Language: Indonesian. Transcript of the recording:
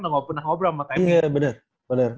udah gak pernah ngobrol sama temi iya bener